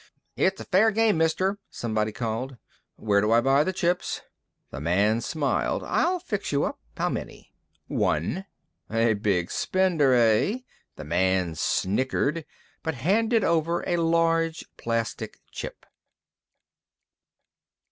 "It's a fair game, Mister," someone called. "Where do I buy the chips?" The man smiled. "I'll fix you up. How many?" "One." "A big spender, eh?" The man snickered, but handed over a large plastic chip.